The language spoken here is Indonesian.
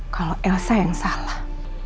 kalau elsa yang salah